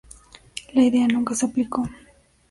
La idea nunca se aplicó.